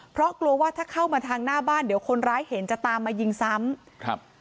เพราะกลัวว่าถ้าเข้ามาทางหน้าบ้านเดี๋ยวคนร้ายเห็นจะตามมายิงซ้ำครับ